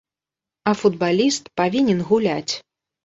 А футбаліст павінен гуляць.